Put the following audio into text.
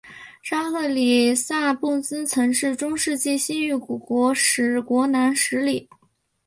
沙赫里萨布兹曾是中世纪西域古国史国南十里。